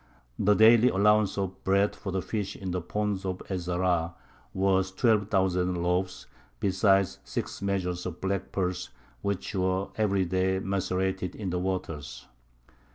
The daily allowance of bread for the fish in the pond of Ez Zahrā was twelve thousand loaves, besides six measures of black pulse which were every day macerated in the waters.